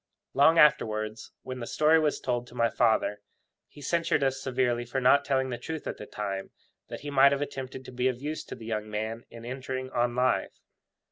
Long afterwards, when the story was told to my father, he censured us severely for not telling the truth at the time, that he might have attempted to be of use to the young man in entering on life.